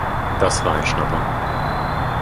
Das war ein Schnapper.